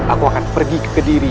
aku akan pergi ke kediri